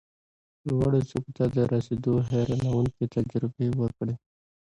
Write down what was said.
لوړو څوکو ته د رسېدو حیرانوونکې تجربې وکړې،